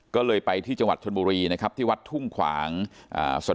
ก็เลยไปที่จังหวัดชนบุรีนะครับที่วัดทุ่งขวางอ่า